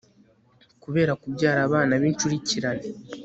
kubera kubyara abana bincurikirane